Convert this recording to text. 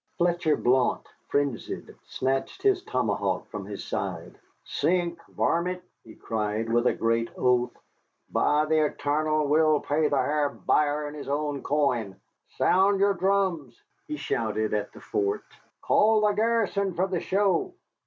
Fletcher Blount, frenzied, snatched his tomahawk from his side. "Sink, varmint!" he cried with a great oath. "By the etarnal! we'll pay the H'ar Buyer in his own coin. Sound your drums!" he shouted at the fort. "Call the garrison fer the show."